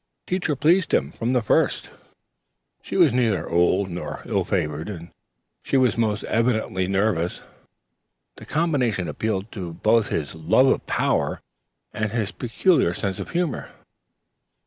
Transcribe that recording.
Teacher pleased him from the first. She was neither old nor ill favored, and she was most evidently nervous. The combination appealed both to his love of power and his peculiar sense of humor.